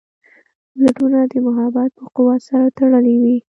زړونه د محبت په قوت سره تړلي وي.